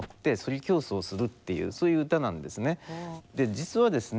実はですね